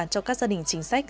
cho các gia đình chính sách